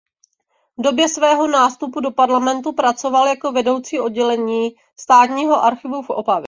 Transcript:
V době svého nástupu do parlamentu pracoval jako vedoucí oddělení státního archivu v Opavě.